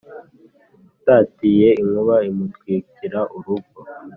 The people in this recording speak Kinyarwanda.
utatiye inkuba imutwikira urugo,